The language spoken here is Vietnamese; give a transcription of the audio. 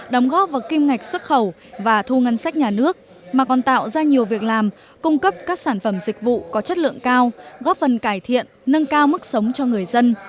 đóng góp vào kim ngạch xuất khẩu và thu ngân sách nhà nước mà còn tạo ra nhiều việc làm cung cấp các sản phẩm dịch vụ có chất lượng cao góp phần cải thiện nâng cao mức sống cho người dân